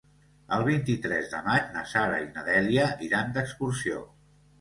El vint-i-tres de maig na Sara i na Dèlia iran d'excursió.